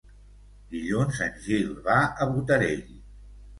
Dilluns en Gil va a Botarell.